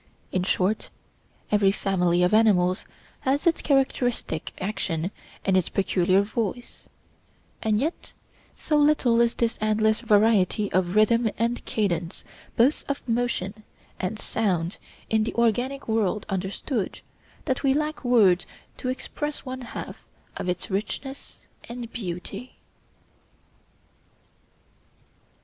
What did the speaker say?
In short, every family of animals has its characteristic action and its peculiar voice; and yet so little is this endless variety of rhythm and cadence both of motion and sound in the organic world understood, that we lack words to express one half its richness and beauty.